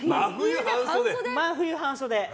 真冬半袖。